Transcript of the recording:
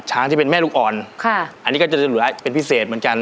ที่เป็นแม่ลูกอ่อนค่ะอันนี้ก็จะเหลือเป็นพิเศษเหมือนกัน